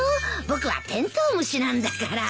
僕はテントウムシなんだから。